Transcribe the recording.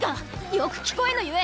よく聞こえぬゆえ！